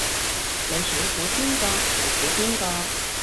你想估邊個咪估邊個